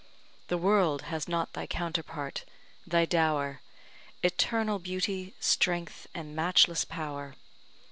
The world has not thy counterpart thy dower, Eternal beauty, strength, and matchless power.